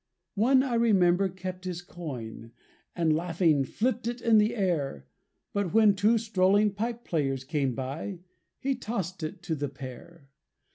One I remember kept his coin, And laughing flipped it in the air; But when two strolling pipe players Came by, he tossed it to the pair.